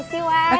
terima kasih wan